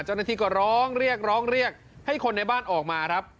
เจ้าหน้าที่ก็ร้องเรียกร้องเรียกให้คนในบ้านออกมาครับ